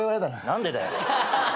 何でだよ。